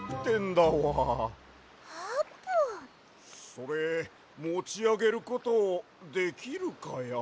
それもちあげることできるかや？